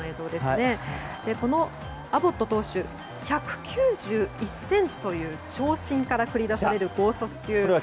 アボット投手、１９１ｃｍという長身から繰り出される剛速球。